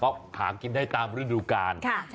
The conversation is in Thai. เพราะหากินได้ตามฤดูการ